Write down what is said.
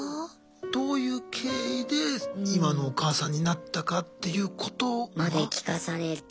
どういう経緯で今のお母さんになったかっていうこと。まで聞かされてなくて。